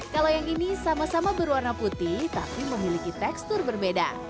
kalau yang ini sama sama berwarna putih tapi memiliki tekstur berbeda